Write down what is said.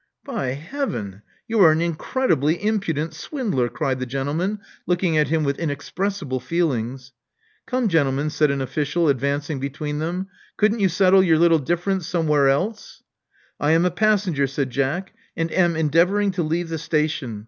By heaven, you are an incredibly impudent swindler," cried the gentleman, looking at him with inexpressible feelings. Come, gentlemen,*' said an official, advancing between them, couldn't you settle your little difference somewhere else?'* I am a passenger," said Jack; and am endeavor ing to leave the station.